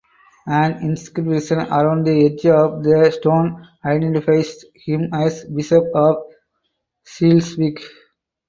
An inscription around the edge of the stone identifies him as bishop of Schleswig.